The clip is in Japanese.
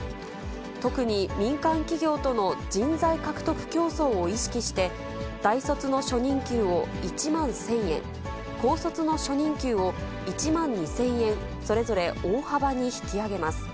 特に民間企業との人材獲得競争を意識して、大卒の初任給を１万１０００円、高卒の初任給を１万２０００円、それぞれ大幅に引き上げます。